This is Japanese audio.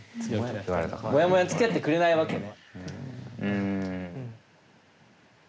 モヤモヤにつきあってくれないわけね。